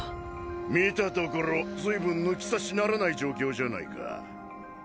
見たところ随分抜き差しならない状況じゃないか。